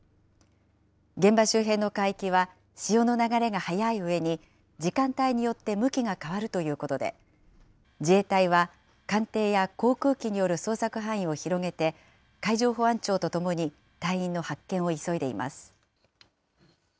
現場周辺の海域は、潮の流れが速いうえに、時間帯によって向きが変わるということで、自衛隊は艦艇や航空機による捜索範囲を広げて、海上保安庁とともに隊員の発見を急いでいます。